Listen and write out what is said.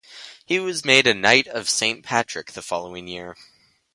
He was made a Knight of Saint Patrick the following year.